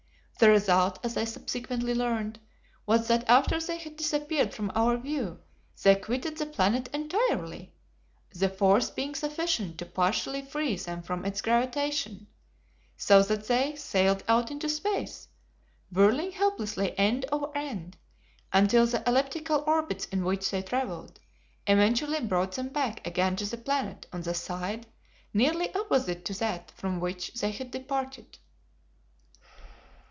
The result, as I subsequently learned, was that after they had disappeared from our view they quitted the planet entirely, the force being sufficient to partially free them from its gravitation, so that they sailed out into space, whirling helplessly end over end, until the elliptical orbits in which they travelled eventually brought them back again to the planet on the side nearly opposite to that from which they had departed.